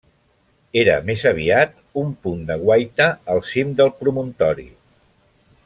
Era més aviat un punt de guaita al cim del promontori.